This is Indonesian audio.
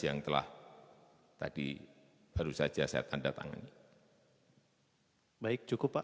yang tadi baru saja saya tanda tangani